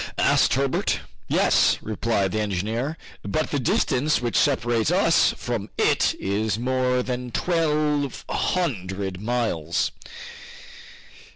asked Herbert. "Yes," replied the engineer, "but the distance which separates us from it is more than twelve hundred miles."